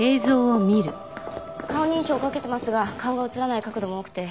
顔認証をかけてますが顔が映らない角度も多くて。